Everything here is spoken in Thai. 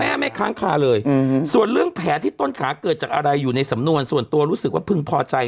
ไม่ค้างคาเลยส่วนเรื่องแผลที่ต้นขาเกิดจากอะไรอยู่ในสำนวนส่วนตัวรู้สึกว่าพึงพอใจ